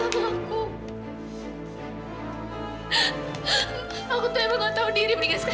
lepas ini aku bisa ketakutan kalau kamu tinggal